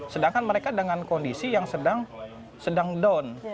sedangkan mereka dengan kondisi yang sedang down